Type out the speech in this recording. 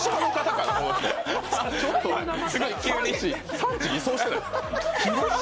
産地偽装してない？